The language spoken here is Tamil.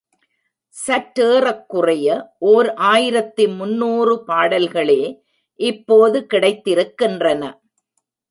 சற்றேறக்குறைய ஓர் ஆயிரத்து முன்னூறு பாடல்களே இப்போது கிடைத்திருக்கின்றன.